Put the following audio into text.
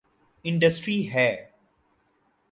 Industry ہے۔